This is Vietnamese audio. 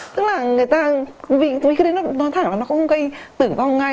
tức là người ta vì cái đấy nó toàn thảo nó cũng gây tử vong ngay